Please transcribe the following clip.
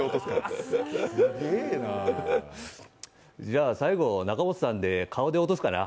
じゃあ、最後、仲本さんで顔で落とすかな。